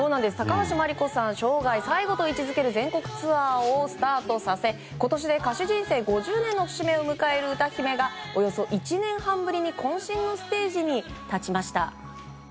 高橋真梨子さんが生涯最後と位置付ける全国ツアーをスタートさせ、今年で歌手人生５０年の節目を迎える歌姫が、およそ１年半ぶりに渾身のステージに立ちました。